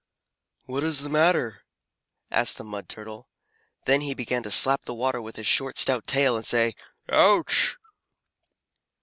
"What is the matter?" asked the Mud Turtle. Then he began to slap the water with his short, stout tail, and say "Ouch!"